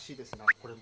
これも。